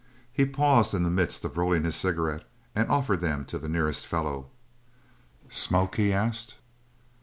He paused in the midst of rolling his cigarette and offered them to the nearest fellow. "Smoke?" he asked.